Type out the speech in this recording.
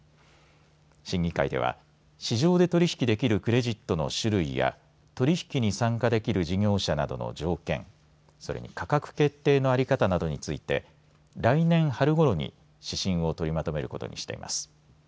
審議会では市場で取り引きできるクレジットの種類や取り引きに参加できる事業者などの条件、それに価格決定の在り方などについて来年春ごろに指針を取りまとめることにしています。